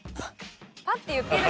パッて言ってる。